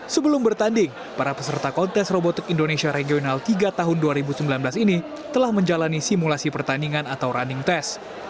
sebelum bertanding para peserta kontes robotik indonesia regional tiga tahun dua ribu sembilan belas ini telah menjalani simulasi pertandingan atau running test